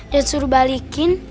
dan suruh balikin